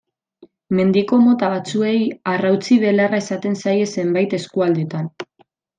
Mendiko mota batzuei harrautsi-belarra esaten zaie zenbait eskualdetan.